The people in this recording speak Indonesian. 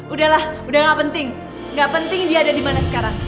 udahlah udah gak penting gak penting dia ada di mana sekarang